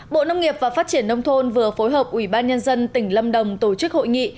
bộ nông nghiệp và phát triển nông thôn vừa phối hợp ủy ban nhân dân tỉnh lâm đồng tổ chức hội nghị